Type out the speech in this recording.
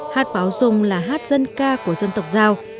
hát báo dung là hát dân ca của dân tộc giao